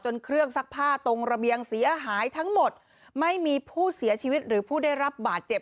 เครื่องซักผ้าตรงระเบียงเสียหายทั้งหมดไม่มีผู้เสียชีวิตหรือผู้ได้รับบาดเจ็บ